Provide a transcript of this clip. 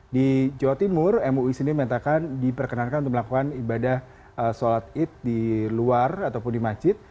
di jawa timur mui sini memintakan diperkenalkan untuk melakukan ibadah sholat id di luar ataupun di majid